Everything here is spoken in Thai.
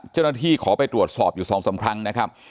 เจ้าหน้าที่ขอไปตรวจสอบอยู่ส่องสังครั้งนะครับ